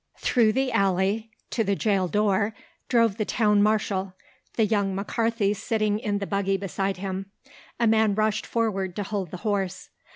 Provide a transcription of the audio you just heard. Through the alley, to the jail door, drove the town marshal, the young McCarthy sitting in the buggy beside him. A man rushed forward to hold the horse.